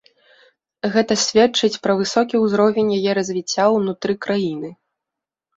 Гэта сведчыць пра высокі ўзровень яе развіцця ўнутры краіны.